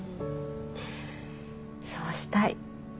そうしたい。